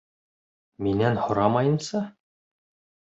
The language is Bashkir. Минән һорамайынса?..